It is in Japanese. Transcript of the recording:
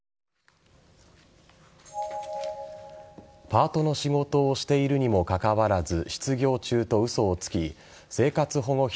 パートの仕事をしているにもかかわらず失業中と嘘をつき生活保護費